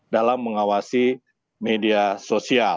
dalam mengawasi media sosial